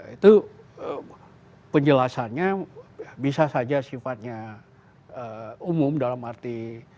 itu penjelasannya bisa saja sifatnya umum dalam arti